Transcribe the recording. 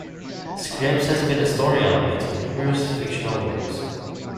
Scripps has been a story element in numerous fictional works.